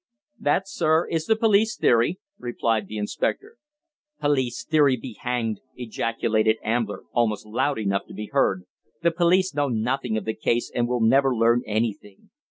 "That, sir, is the police theory," replied the inspector. "Police theory be hanged!" ejaculated Ambler, almost loud enough to be heard. "The police know nothing of the case, and will never learn anything.